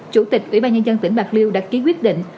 chủ tịch ủy ban nhân dân tỉnh bạc liêu đã ký quyết định